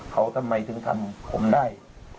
เขาทำไมถึงทำผมได้